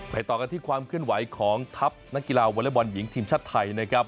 ต่อกันที่ความเคลื่อนไหวของทัพนักกีฬาวอเล็กบอลหญิงทีมชาติไทยนะครับ